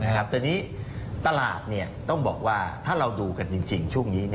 แต่ตลาดเนี่ยต้องบอกว่าหากช่วงนี้เราดูกันจริง